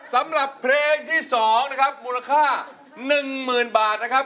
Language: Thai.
สำหรับเพลงที่๒นะครับมูลค่า๑๐๐๐บาทนะครับ